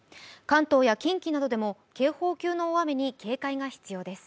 関東や近畿などでも警報級の大雨に警戒が必要です。